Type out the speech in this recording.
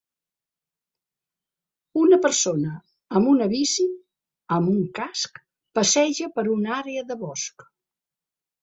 Una persona amb una bici amb un casc passeja per una àrea de bosc